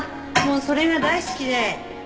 もうそれが大好きで。